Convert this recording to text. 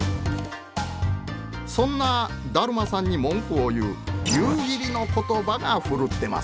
そんな達磨さんに文句を言う夕霧の言葉がふるってます。